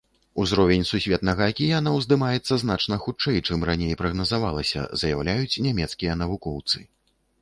Узровень сусветнага акіяна ўздымаецца значна хутчэй, чым раней прагназавалася, заяўляюць нямецкія навукоўцы.